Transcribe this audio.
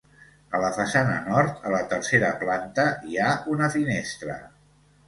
A la façana nord a la tercera planta hi ha una finestra.